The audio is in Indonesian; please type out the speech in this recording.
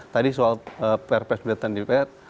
tadi soal perpres buatan dpr